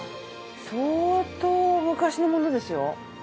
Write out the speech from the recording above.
相当昔の物ですよ。